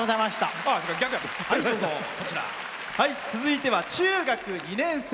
続いては中学２年生。